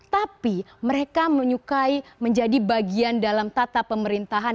tapi mereka menyukai menjadi bagian dalam tata pemerintahan